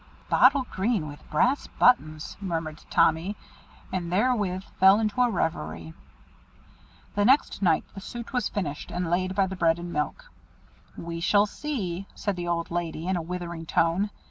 "Bottle green, with brass buttons," murmured Tommy, and therewith fell into a reverie. The next night the suit was finished, and laid by the bread and milk. "We shall see," said the old lady, in a withering tone.